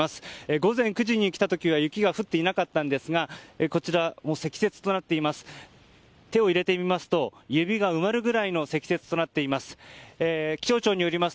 午前９時に来た時は雪が降っていなかったんですがもう、すでにこちら積雪となっています。